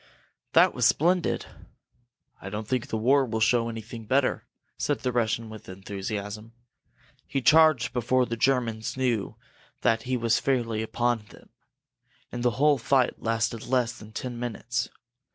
"That was splendid!" "I don't think the war will show anything better!" said the Russian, with enthusiasm. "He charged before the Germans knew that he was fairly upon them, and the whole fight lasted less than ten minutes.